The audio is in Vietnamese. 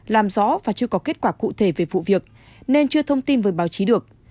làm rõ và chưa có kết quả cụ thể về vụ việc nên chưa thông tin với báo chí được